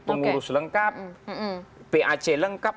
pengurus lengkap pac lengkap